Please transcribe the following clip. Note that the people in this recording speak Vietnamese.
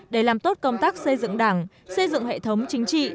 để làm tốt công tác xây dựng đảng xây dựng hệ thống chính trị